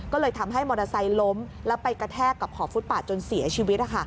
ก็เลยทำให้มอเตอร์ไซค์ล้มแล้วไปกระแทกกับขอบฟุตปาดจนเสียชีวิต